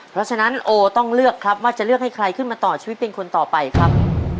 เพราะฉะนั้นโอต้องเลือกครับว่าจะเลือกให้ใครขึ้นมาต่อชีวิตเป็นคนต่อไปครับ